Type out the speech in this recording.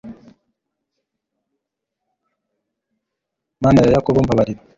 mana ya yakobo mbabarira